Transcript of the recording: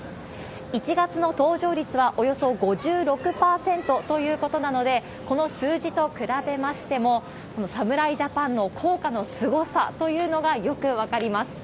１月の搭乗率はおよそ５６％ということなので、この数字と比べましても、侍ジャパンの効果のすごさというのがよく分かります。